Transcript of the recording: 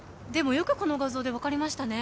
よくこの画像で分かりましたね